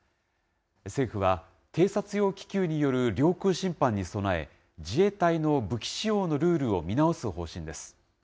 政府は、偵察用気球による領空侵犯に備え、自衛隊の武器使用のルールを見直す方針です。